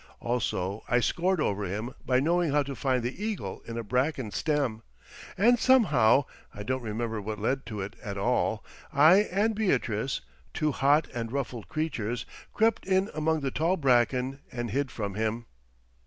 Also I scored over him by knowing how to find the eagle in a bracken stem. And somehow—I don't remember what led to it at all—I and Beatrice, two hot and ruffled creatures, crept in among the tall bracken and hid from him.